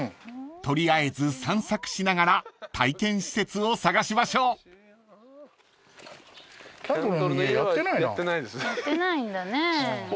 ［取りあえず散策しながら体験施設を探しましょう］やってないんだね。